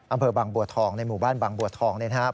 อำเภอบางบัวทองในหมู่บ้านบางบัวทองนะครับ